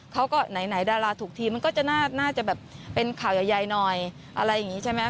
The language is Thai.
เขาก็ไหนดาราถูกทีมันก็จะน่าจะแบบเป็นข่าวใหญ่หน่อยอะไรอย่างนี้ใช่ไหม